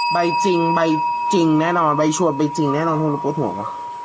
ใบจริงใบจริงแน่นอนใบชัวร์ใบจริงแน่นอนโทษห่วงโทษห่วง